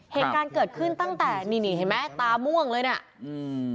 เหตุการณ์เกิดขึ้นตั้งแต่นี่เห็นมั้ยตาม่วงเลยเนี่ย